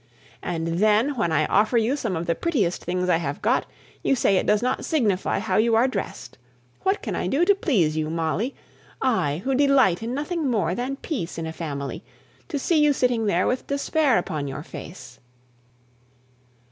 And then, when I offer you some of the prettiest things I have got, you say it does not signify how you are dressed. What can I do to please you, Molly? I, who delight in nothing more than peace in a family, to see you sitting there with despair upon your face?"